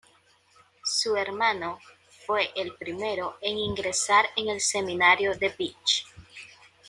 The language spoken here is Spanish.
Su hermano, fue el primero en ingresar en el seminario de Vich.